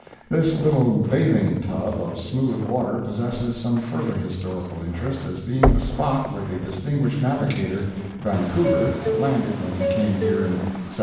This little bathing tub of smooth water possesses some further historical interest as being the spot where the distinguished navigator Vancouver, landed when he came here in 1792.